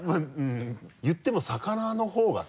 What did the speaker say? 言っても魚のほうがさ。